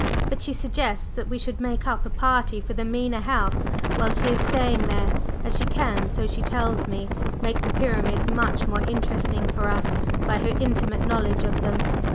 But she suggests that we should make up a party for the Mena House while she is staying there, as she can, so she tells me, make the Pyramids much more interesting for us by her intimate knowledge of them.